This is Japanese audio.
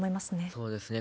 そうですね。